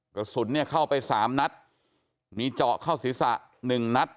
กระสุนเนี่ยเข้าไปสามนัดมีเจาะเข้าศีรษะหนึ่งนัด